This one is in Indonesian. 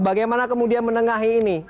bagaimana kemudian menengahi ini